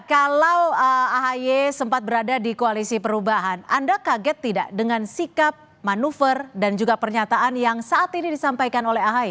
kalau ahy sempat berada di koalisi perubahan anda kaget tidak dengan sikap manuver dan juga pernyataan yang saat ini disampaikan oleh ahy